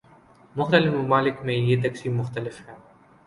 مختلف ممالک میں یہ تقسیم مختلف ہے۔